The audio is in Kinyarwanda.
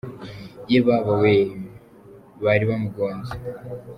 Yebabawe! Bari bamugonze!